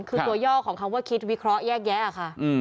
คือตัวย่อของคำว่าคิดวิเคราะห์แยกแยะค่ะ